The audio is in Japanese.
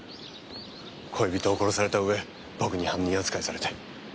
恋人を殺された上僕に犯人扱いされて。